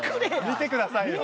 見てくださいよ。